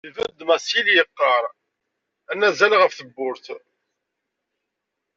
Ibedd Masil yeqqar anazal ɣef tewwurt.